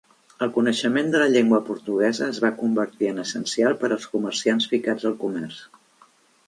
El coneixement de la llengua portuguesa es va convertir en essencial per als comerciants ficats al comerç.